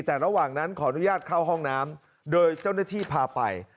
แต่ระหว่างนั้นขออนุญาตเข้าห้องน้ำโดยเจ้าหน้าที่พาไป